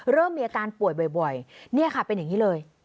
เริ่มมีอาการป่วยบ่อยนี่ค่ะเป็นอย่างนี้เลย